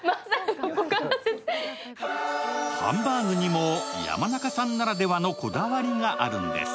ハンバーグにも山中さんならではのこだわりがあるんです。